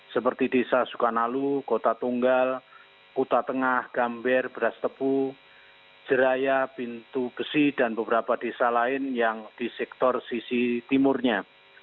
seperti desa sukanalu kota tunggal kuta tengah gamber beras tepu jeraya pintu besi dan beberapa desa lain yang di sektor sisi timurnya